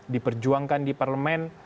diperjuangkan di parlemen